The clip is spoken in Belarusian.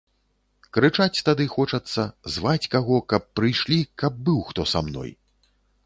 Крычаць тады хочацца, зваць каго, каб прыйшлі, каб быў хто са мной.